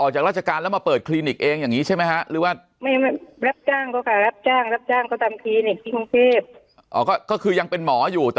จังหวัดชนมันเกิดอะไรขึ้นคุณหมอบอกว่าคุณหมอน่ะ